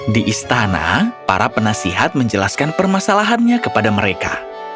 di istana para penasihat menjelaskan permasalahannya kepada mereka